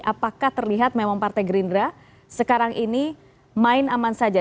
apakah terlihat memang partai gerindra sekarang ini main aman saja